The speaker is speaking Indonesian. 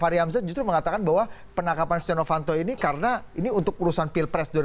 fahri hamzah justru mengatakan bahwa penangkapan setia novanto ini karena ini untuk urusan pilpres dua ribu sembilan belas